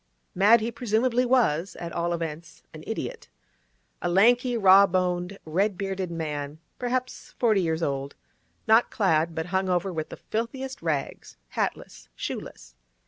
Mad he presumably was—at all events, an idiot. A lanky, raw boned, red beaded man, perhaps forty years old; not clad, but hung over with the filthiest rags; hatless, shoeless.